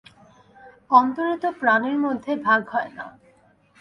অন্তরে তো প্রাণের মধ্যে ভাগ হয় না।